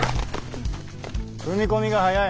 踏み込みが早い。